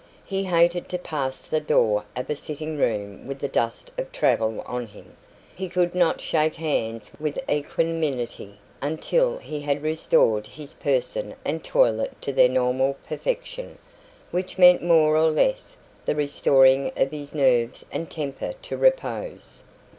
He hated to pass the door of a sitting room with the dust of travel on him; he could not shake hands with equanimity until he had restored his person and toilet to their normal perfection, which meant more or less the restoring of his nerves and temper to repose.